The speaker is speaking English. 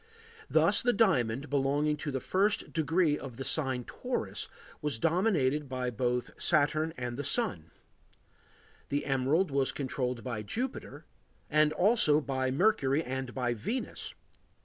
Thus the diamond, belonging to the first degree of the sign Taurus, was dominated by both Saturn and the Sun; the emerald was controlled by Jupiter, and also by Mercury and by Venus.